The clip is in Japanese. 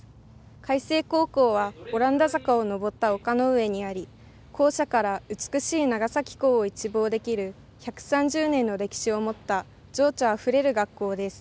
海星高校はオランダ坂を上った丘の上にあり校舎から美しい長崎港を一望できる１３０年の歴史を持った情緒あふれる学校です。